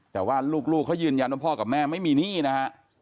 แต่ว่าลูกเขายืนยันว่าพ่อกับแม่ไม่มีหนี้นะฮะ